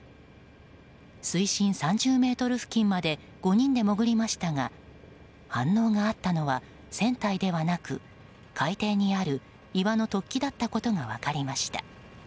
水深３０ｍ付近まで５人で潜りましたが反応があったのは船体ではなく海底にある岩の突起であったことが分かりました。